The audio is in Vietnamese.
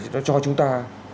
nó cho chúng ta